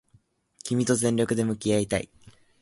君と全力で向き合いたい